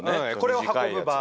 これを運ぶ場合。